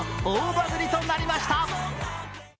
大バズりとなりました。